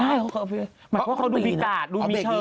หมายความว่าเขาดูมีกะด